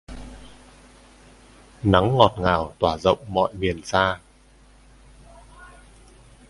Nắng ngọt ngào toả rộng mọi miền xa